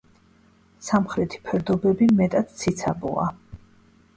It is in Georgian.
სამხრეთი ფერდობები მეტად ციცაბოა.